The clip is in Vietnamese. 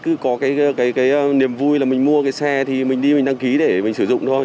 cứ có cái niềm vui là mình mua cái xe thì mình đi mình đăng ký để mình sử dụng thôi